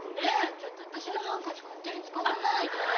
ちょっと私のハンカチ勝手に使わないで。